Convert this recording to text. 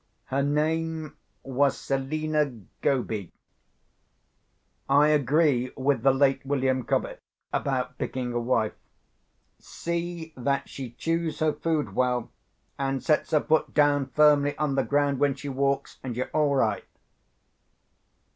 Her name was Selina Goby. I agree with the late William Cobbett about picking a wife. See that she chews her food well and sets her foot down firmly on the ground when she walks, and you're all right.